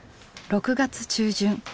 ６月中旬。